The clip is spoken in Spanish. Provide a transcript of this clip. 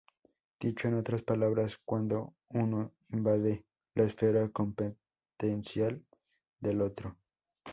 Dicho en otras palabras, cuando uno invade la esfera competencial del otro.